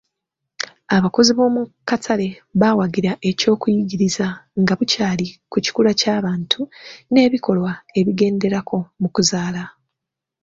Abakozi b'omu katale baawagira eky'okuyigiriza nga bukyali ku kikula ky'abantu n'ebikolwa ebigenderako mu kuzaala.